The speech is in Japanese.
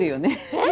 えっ！？